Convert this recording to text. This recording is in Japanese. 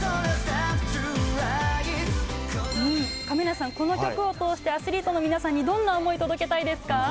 亀梨さん、この曲を通してアスリートの皆さんにどんな思いを届けたいですか？